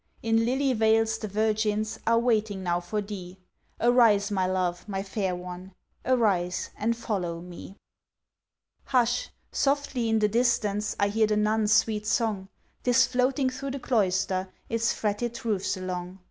In lily vales the virgins Are waiting now for thee, "Arise my love, my fair one, Arise, and follow Me." Hush! softly in the distance, I hear the nuns' sweet song, 'Tis floating through the Cloister, Its fretted roofs along.